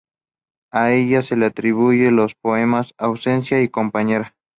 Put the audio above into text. A ella se le atribuyen los poemas "Ausencia" y "Compañera".